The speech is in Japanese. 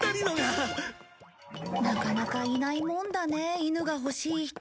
なかなかいないもんだね犬が欲しい人。